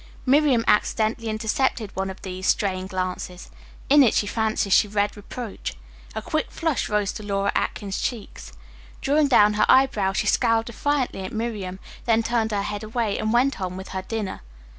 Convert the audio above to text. Miriam accidentally intercepted one of these straying glances. In it she fancied she read reproach. A quick flush rose to Laura Atkins's cheeks. Drawing down her eyebrows she scowled defiantly at Miriam, then turned her head away, and went on with her dinner.